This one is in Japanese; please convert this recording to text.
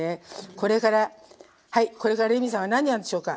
これからこれからレミさんは何やるでしょうか？